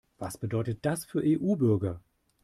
Was bedeutet das für EU-Bürger?